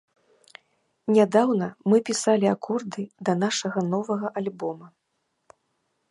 Нядаўна мы пісалі акорды да нашага новага альбома.